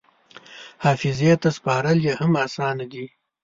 حافظې ته سپارل یې هم اسانه دي.